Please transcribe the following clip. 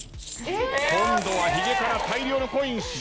今度はヒゲから大量のコイン搾り出す。